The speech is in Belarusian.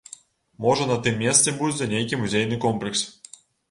Можа, на тым месцы будзе нейкі музейны комплекс.